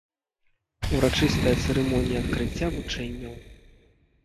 Урачыстая цырымонія адкрыцця вучэнняў.